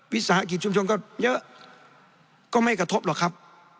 วิสาหกิจชุมชนก็เยอะก็ไม่กระทบหรอกครับ